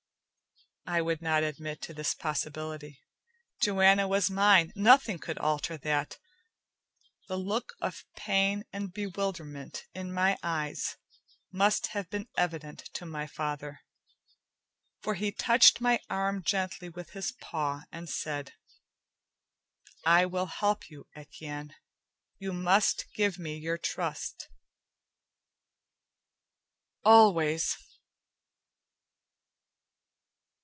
I would not admit to this possibility. Joanna was mine; nothing could alter that. The look of pain and bewilderment in my eyes must have been evident to my father, for he touched my arm gently with his paw and said: "I will help you, Etienne. You must give me your trust." "Always!"